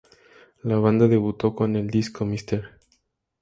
La banda debutó con el disco "Mr.